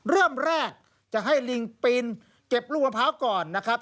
เริ่มแรกจะให้ลิงปีนเก็บลูกมะพร้าวก่อนนะครับ